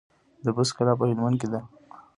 د بست کلا په هلمند کې ده